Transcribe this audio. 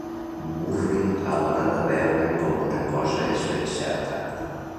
Murri a l'hora de veure com una cosa és ben certa.